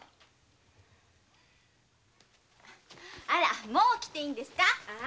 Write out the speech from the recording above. あらもう起きていいんですか？